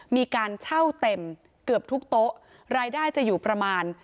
มีการเช่าเต็มเกือบทุกโต๊ะรายได้จะอยู่ประมาณ